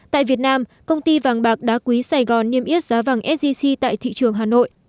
tại việt nam công ty vàng bạc đá quý sài gòn niêm yết giá vàng sgc tại thị trường hà nội